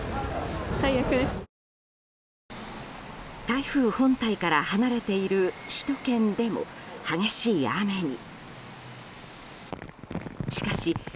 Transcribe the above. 台風本体から離れている首都圏でも激しい雨に。